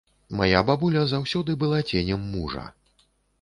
Мая бабуля заўсёды была ценем мужа.